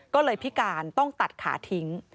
ก็เลยพิการต้องตัดขาทิ้ง